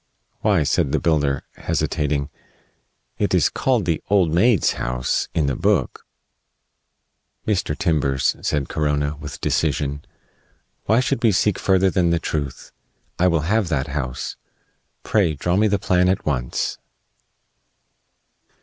"Why," said the builder, hesitating, "it is called the Old Maid's House in the book." "Mr. Timbers," said Corona, with decision, "why should we seek further than the truth? I will have that house. Pray, draw me the plan at once."